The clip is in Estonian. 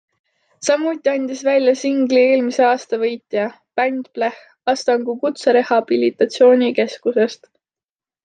Samuti andis välja singli eelmise aasta võitja - bänd Bläh Astangu Kutserehabilitatsioonikeskusest.